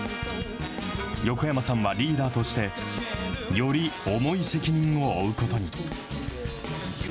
横山さんはリーダーとして、より重い責任を負うことに。